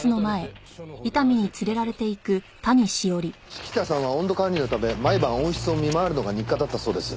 式田さんは温度管理のため毎晩温室を見回るのが日課だったそうです。